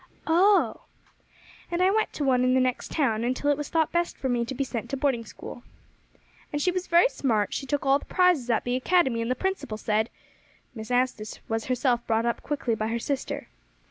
"Oh!" "And I went to one in the next town until it was thought best for me to be sent to boarding school." "And she was very smart; she took all the prizes at the academy, and the principal said " Miss Anstice was herself brought up quickly by her sister.